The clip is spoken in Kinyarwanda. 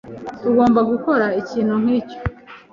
Tugomba gukora ikintu nkicyo.